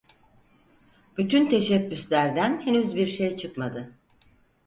Bütün teşebbüslerden henüz bir şey çıkmadı.